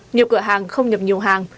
nhiều cửa hàng không nhập nhiều hàng